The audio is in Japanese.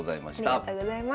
ありがとうございます。